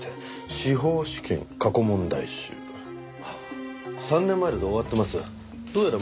「司法試験過去問題集」３年前ので終わってます。